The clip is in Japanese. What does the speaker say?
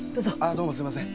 どうもすみません。